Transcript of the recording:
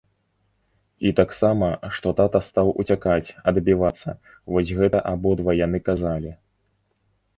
І таксама, што тата стаў уцякаць, адбівацца, вось гэта абодва яны казалі.